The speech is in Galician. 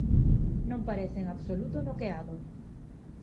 Non parece en absoluto noqueado.